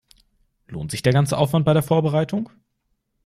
Lohnt sich der ganze Aufwand bei der Vorbereitung?